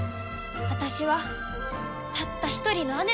あたしはたった一人の姉ですき。